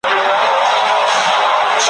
ته هم وایه ژوند دي څرنګه تیریږي ,